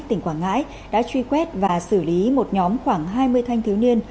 tỉnh quảng ngãi đã truy quét và xử lý một nhóm khoảng hai mươi thanh thiếu niên